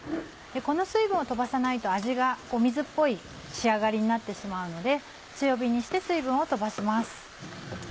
この水分を飛ばさないと味が水っぽい仕上がりになってしまうので強火にして水分を飛ばします。